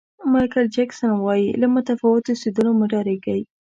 مایکل جکسن وایي له متفاوت اوسېدلو مه ډارېږئ.